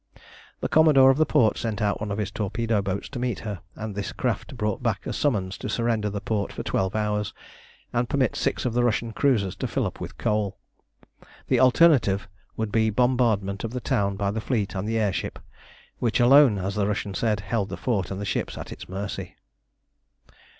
The Commodore of the port sent out one of his torpedo boats to meet her, and this craft brought back a summons to surrender the port for twelve hours, and permit six of the Russian cruisers to fill up with coal. The alternative would be bombardment of the town by the fleet and the air ship, which alone, as the Russians said, held the fort and the ships at its mercy.